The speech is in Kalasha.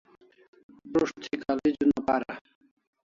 Prus't thi college una para